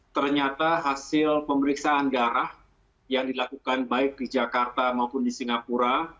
ternyata hasil pemeriksaan darah yang dilakukan baik di jakarta maupun di singapura